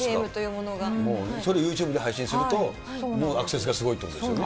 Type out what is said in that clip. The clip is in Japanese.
それ、ユーチューブで配信すると、もうアクセスがすごいということですよね。